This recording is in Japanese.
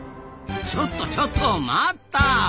ちょっとちょっと待った！